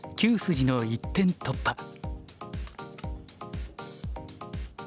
９筋の一点突破。